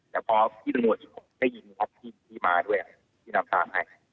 แต่พอพี่ตำรวจได้ยินครับพี่มาด้วยพี่นำตามให้